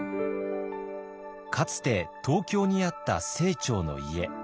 かつて東京にあった清張の家。